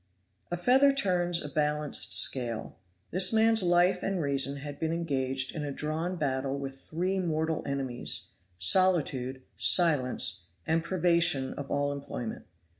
A feather turns a balanced scale. This man's life and reason had been engaged in a drawn battle with three mortal enemies solitude, silence and privation of all employment.